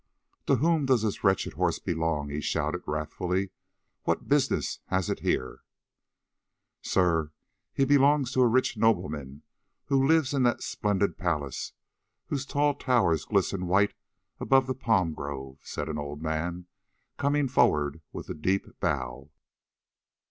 "To whom does this wretched horse belong?" he shouted wrathfully. "What business has it here?" "Sir, he belongs to a rich nobleman, who lives in that splendid palace whose tall towers glisten white above the palm grove," said an old man, coming forward with a deep bow.